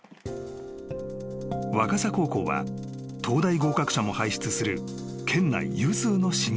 ［若狭高校は東大合格者も輩出する県内有数の進学校］